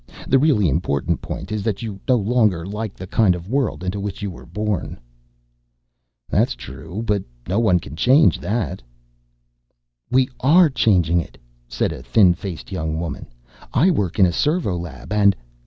The really important point is that you no longer like the kind of world into which you were born." "That's true, but no one can change it." "We are changing it," said a thin faced young woman. "I work in a servo lab and